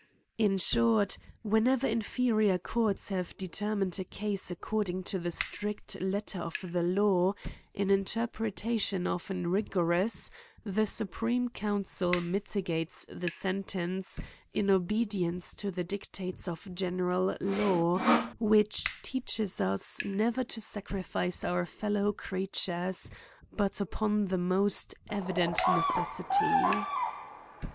In short, vsrhen ever inferior courts have determined a case ac cording to the strict letter of the law^, an interpre tation often rigorous, the supreme council miti gates the sentence in obedience to the dictates of general law, which teaches us, never to sacrifice our fellow creatures, but upon the most evident necessity.